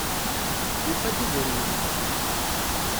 Yufa-d idrimen-nni.